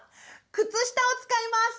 靴下を使います！